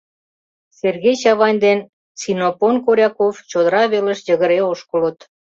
Сергей Чавайн ден Синопон Коряков чодыра велыш йыгыре ошкылыт.